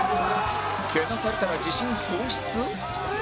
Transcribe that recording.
けなされたら自信喪失？